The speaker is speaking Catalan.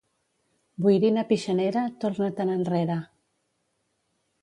Boirina pixanera, torna-te'n enrere.